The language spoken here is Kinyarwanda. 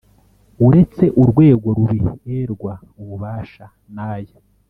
Uretse urwego rubiherwa ububasha n aya